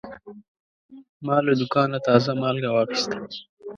ما له دوکانه تازه مالګه واخیسته.